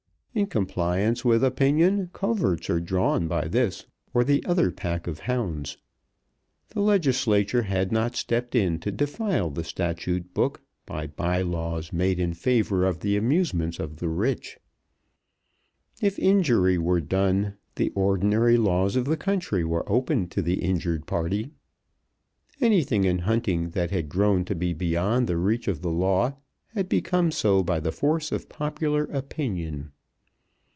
In compliance with opinion coverts are drawn by this or the other pack of hounds. The Legislature had not stepped in to defile the statute book by bye laws made in favour of the amusements of the rich. If injury were done, the ordinary laws of the country were open to the injured party. Anything in hunting that had grown to be beyond the reach of the law had become so by the force of popular opinion.